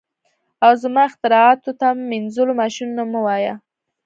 او زما اختراعاتو ته مینځلو ماشینونه مه وایه